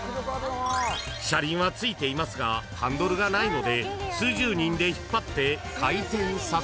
［車輪はついていますがハンドルがないので数十人で引っ張って回転させるんです］